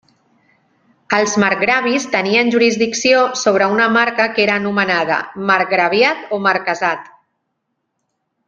Els marcgravis tenien jurisdicció sobre una marca, que era anomenada marcgraviat o marquesat.